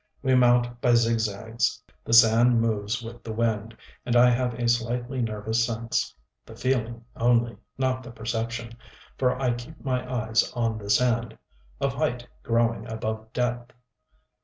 We mount by zigzags. The sand moves with the wind; and I have a slightly nervous sense the feeling only, not the perception; for I keep my eyes on the sand, of height growing above depth....